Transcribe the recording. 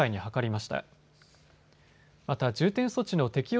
また重点措置の適用